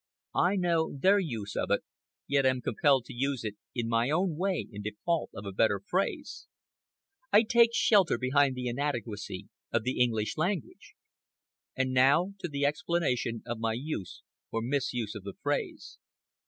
I know their use of it, yet am compelled to use it in my own way in default of a better phrase. I take shelter behind the inadequacy of the English language. And now to the explanation of my use, or misuse, of the phrase.